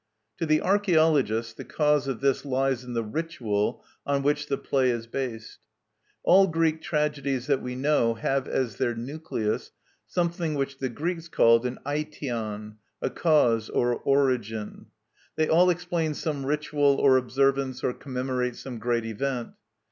To the archaeologist the cause of this lies in the ritual on which the play is based. All Greek tragedies that we know have as their nucleus something which the Greeks called an Aition a cause or origin. They all explain some ritual or observance or commemorate some great event.